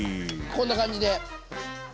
こんな感じで。